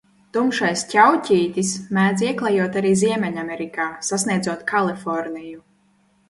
Tumšais ķauķītis mēdz ieklejot arī Ziemeļamerikā, sasniedzot Kaliforniju.